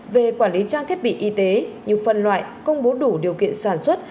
về quản lý trang thiết bị y tế như phân loại công bố đủ điều kiện sản xuất